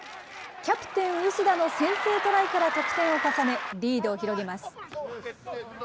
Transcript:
キャプテン、薄田の先制トライから得点を重ね、リードを広げます。